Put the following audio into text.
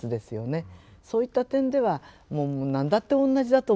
そういった点ではもう何だって同じだと思いますけれども。